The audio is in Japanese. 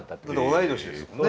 同い年ですもんね。